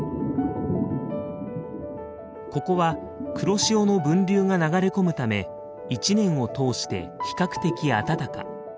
ここは黒潮の分流が流れ込むため一年を通して比較的暖か。